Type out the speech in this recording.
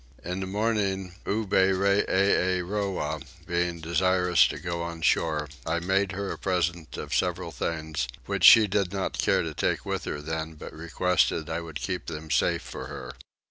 In the morning, Oberreeroah being desirous to go on shore, I made her a present of several things, which she did not care to take with her then, but requested that I would keep them safe for her.